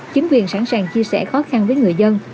chính quyền sẵn sàng chia sẻ khó khăn với người dân